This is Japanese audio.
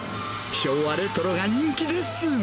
昭和レトロが人気です。